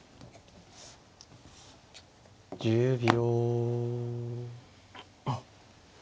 １０秒。